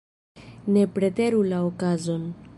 Ne preteru la okazon.